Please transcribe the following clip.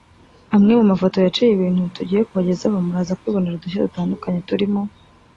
Amwe mu mafoto yaciye ibintu tugiye kubagezaho muraza kwibonera udushya dutandukanye turimo